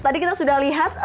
tadi kita sudah lihat